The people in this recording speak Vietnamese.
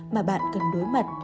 mà bạn cần đối mặt